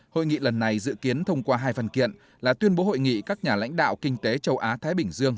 hội nghị lần này dự kiến thông qua hai phần kiện là tuyên bố hội nghị các nhà lãnh đạo kinh tế châu á thái bình dương